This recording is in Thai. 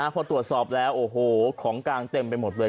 พอตรวจสอบแล้วโอ้โหของกลางเต็มไปหมดเลย